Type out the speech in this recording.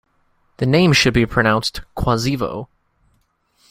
The name should be pronounced "quazevo".